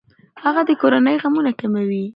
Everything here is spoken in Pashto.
هغه د کورنۍ غمونه کموي.